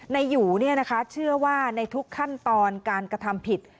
หยูเชื่อว่าในทุกขั้นตอนการกระทำผิด